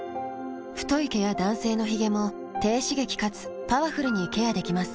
太い毛や男性のヒゲも低刺激かつパワフルにケアできます。